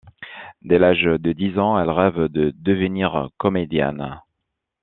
Dès l'âge de dix ans, elle rêve de devenir comédienne.